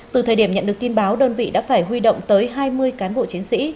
từ thời điểm nhận được tin báo đơn vị đã phải huy động tới hai mươi cán bộ chiến sĩ